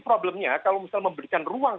problemnya kalau misalnya memberikan ruang